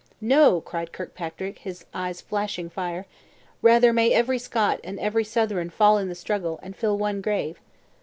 "No," cried Kirkpatrick, his eyes flashing fire; "rather may every Scot and every Southron fall in the struggle, and fill one grave!